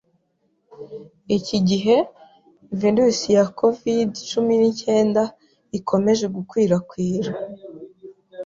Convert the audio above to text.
iki gihe virus ya covid-cumi nicyenda ikomeje gukwirakwira